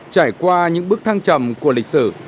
trải qua những bước thăng trầm của lịch sử